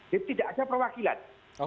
jadi tidak ada perwakilan